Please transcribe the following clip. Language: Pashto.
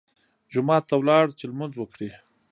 جومات ته لاړ چې لمونځ وکړي.